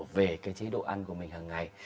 về cái chế độ ăn của mình hàng ngày